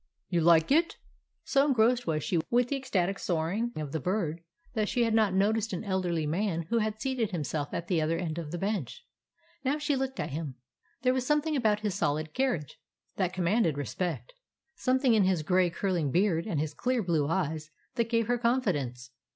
"You like it?" So engrossed was she with the ecstatic soar ing of the bird that she had not noticed an el derly man who had seated himself at the other end of the bench. Now she looked at him. There was something about his solid carriage that commanded respect, something in his gray curling beard and his clear blue eyes that gave her confidence.